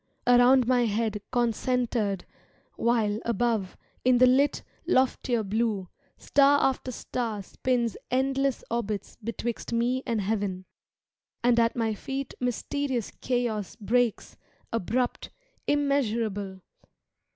Around my head concentred, while, above. In the lit, loftier blue, star after star Spins endless orbits betwixt me and heaven; And at my feet mysterious Chaos breaks. Abrupt, immeasurable.